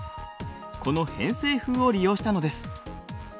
この偏西風を利用したのです。